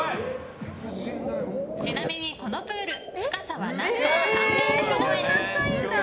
ちなみにこのプール深さは何と３ｍ超え。